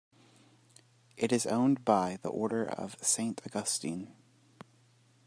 It is owned by the Order of Saint Augustine.